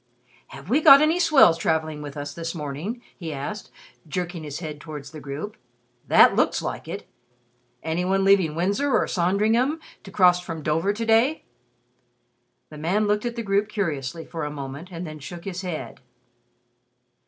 "Have we got any swells traveling with us this morning?" he asked, jerking his head towards the group. "That looks like it. Any one leaving Windsor or Sandringham to cross from Dover to day?" The man looked at the group curiously for a moment and then shook his head.